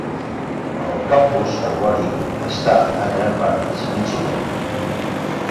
El campus arbori està en Grand Rapids, Michigan.